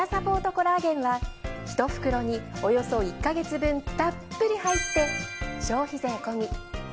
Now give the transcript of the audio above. コラーゲンは１袋におよそ１ヵ月分たっぷり入って。